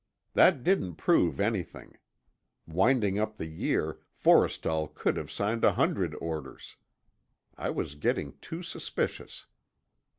That didn't prove anything; winding up the year, Forrestal could have signed a hundred orders. I was getting too suspicious.